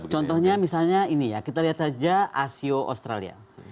contohnya misalnya ini ya kita lihat saja asio australia